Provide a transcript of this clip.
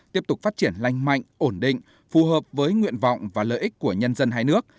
tiếp tục phát triển lanh mạnh ổn định phù hợp với nguyện vọng và lợi ích của nhân dân hai nước